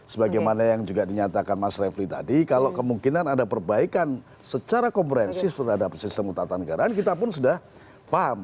sebagai mana yang juga dinyatakan mas refli tadi kalau kemungkinan ada perbaikan secara komprensif terhadap sistem utama negaraan kita pun sudah paham